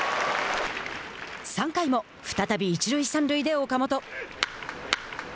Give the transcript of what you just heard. ３回も再び一塁三塁で岡本。